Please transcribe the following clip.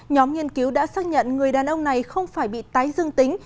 nhóm nghiên cứu đã xác nhận người đàn ông này không phải bị tái dương tính